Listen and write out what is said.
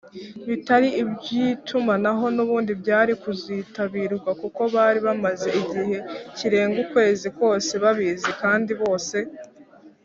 bitari iby’itumanaho nubundi byari kuzitabirwa kuko bari bamaze igihe kirenga ukwezi kose babizi kandi bose.